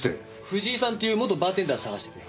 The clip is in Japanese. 藤井さんっていう元バーテンダー捜してて。